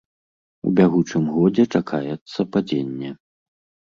У бягучым годзе чакаецца падзенне.